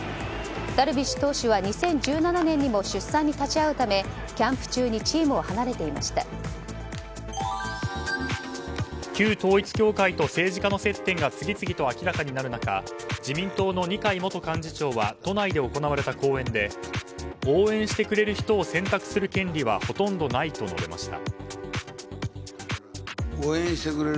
ダルビッシュ投手は２０１７年にも出産に立ち会うためキャンプ中に旧統一教会と政治家の接点が次々と明らかになる中自民党の二階元幹事長は都内で行われた講演で応援してくれる人を選択する権利はほとんどないと述べました。